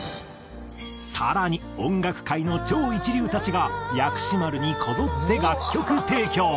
更に音楽界の超一流たちが薬師丸にこぞって楽曲提供。